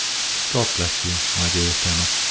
God bless you, my dearest Emma!